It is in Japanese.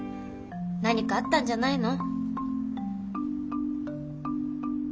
何かあったんじゃないの？